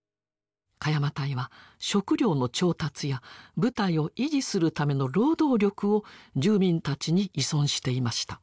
鹿山隊は食料の調達や部隊を維持するための労働力を住民たちに依存していました。